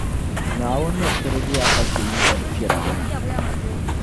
Naawuni ni tilgi ya ka chɛ yi dim Fir’auna.